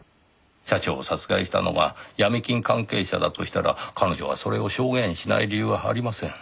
社長を殺害したのがヤミ金関係者だとしたら彼女がそれを証言しない理由はありません。